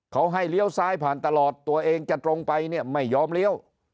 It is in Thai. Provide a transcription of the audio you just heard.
เขาให้เลี้ยวซ้ายผ่านตลอดตัวเองจะตรงไปเนี่ยไม่ยอมเลี้ยว